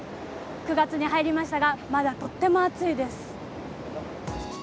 ９月に入りましたが、まだとっても暑いです。